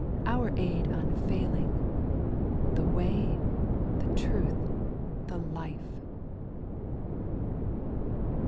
our aid unfailing, The Way, the Truth, the Life